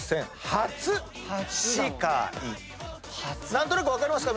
何となく分かりますか？